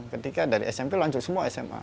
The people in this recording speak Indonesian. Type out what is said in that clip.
ketika dari smp lanjut semua sma